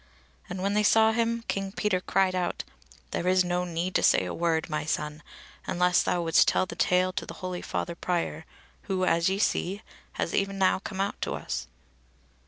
And when they saw him King Peter cried out: "There is no need to say a word, my son; unless thou wouldst tell the tale to the holy father Prior, who, as ye see, has e'en now come out to us."